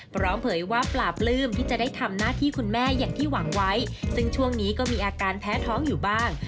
เผยว่าปลาปลื้มที่จะได้ทำหน้าที่คุณแม่อย่างที่หวังไว้ซึ่งช่วงนี้ก็มีอาการแพ้ท้องอยู่บ้าง